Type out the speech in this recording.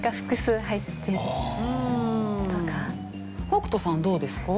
北斗さんどうですか？